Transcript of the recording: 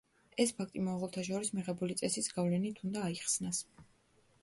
ეს ფაქტი მონღოლთა შორის მიღებული წესის გავლენით უნდა აიხსნას.